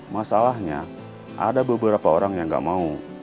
masalahnya ada beberapa orang yang gak mau